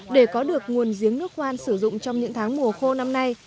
để có được nguồn giếng nước khoan sử dụng trong những tháng mùa khô năm nay